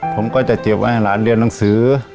ผมก็จะเก็บไว้ให้หลานเรียนหนังสือ